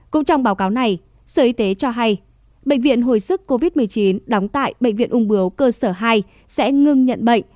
cũng trong báo cáo này sở y tế cho hay bệnh viện hồi sức covid một mươi chín đóng tại bệnh viện ung bướu cơ sở hai sẽ ngưng nhận bệnh